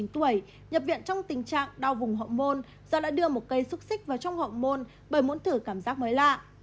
nhập viện trong tình trạng đau vùng hậu môn do đã đưa một cây xúc xích vào trong hậu môn bởi muốn thử cảm giác mới lạ